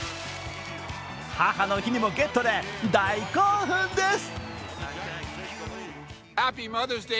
母の日にもゲットで大興奮です。